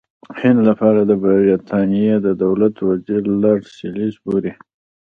د هند لپاره د برټانیې د دولت وزیر لارډ سالیزبوري.